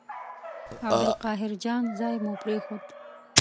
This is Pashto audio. عبدالقاهر جان ځای مو پرېښود.